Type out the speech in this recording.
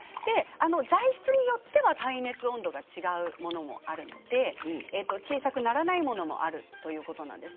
材質によっては耐熱温度が違うものもありますので小さくならないものもありということなんです。